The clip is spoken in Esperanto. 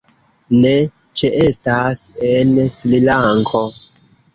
Ne ĉeestas en Srilanko.